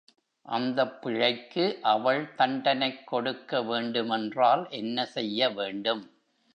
அந்தப் பிழைக்கு அவள் தண்டனைக் கொடுக்க வேண்டுமென்றால் என்ன செய்ய வேண்டும்?